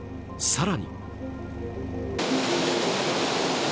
更に。